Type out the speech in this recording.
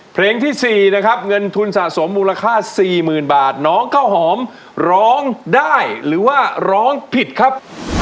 เพลงที่๔นะครับเงินทุนสะสมมูลค่า๔๐๐๐บาทน้องข้าวหอมร้องได้หรือว่าร้องผิดครับ